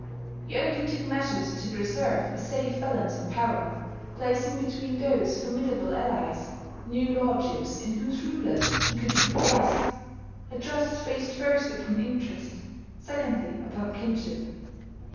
He only took measures to preserve a safe balance of power, placing between those formidable allies new lordships in whose rulers he could put trust, a trust based first upon interest, secondly upon kinship.